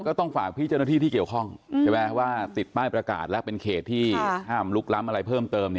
ก็ต้องฝากพี่เจ้าหน้าที่ที่เกี่ยวข้องใช่ไหมว่าติดป้ายประกาศแล้วเป็นเขตที่ห้ามลุกล้ำอะไรเพิ่มเติม